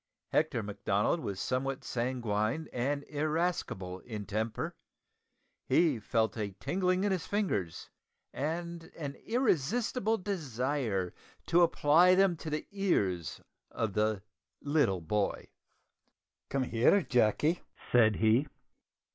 Hector Macdonald was somewhat sanguine and irascible in temper. He felt a tingling in his fingers, and an irresistible desire to apply them to the ears of the little boy. "Come here, Jacky!" said he.